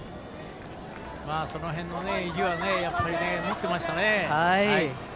その辺の意地はもっていましたね。